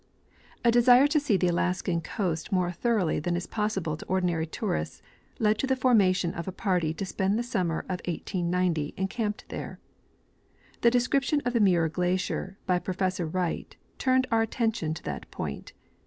A desire to see the Alaskan coast more thoroughly than is possible to ordinary tourists led to the formation of a party to spend the summer of 1890 encamped there. The description of Muir glacier by Professor Wright * turned our attention to that point.